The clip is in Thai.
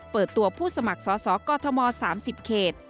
เปิดตัวผู้สมัครสอกม๓๐เคต